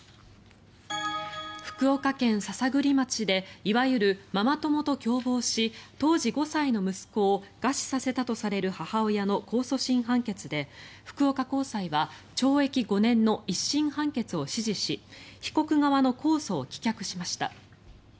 福岡県篠栗町でいわゆるママ友と共謀し当時５歳の息子を餓死させたとされる母親の控訴審判決で、福岡高裁は懲役５年の１審判決を支持し被告側の控訴を棄却しました。